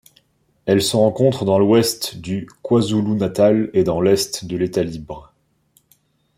Elle se rencontre dans l'Ouest du KwaZulu-Natal et dans l'Est de l'État-Libre.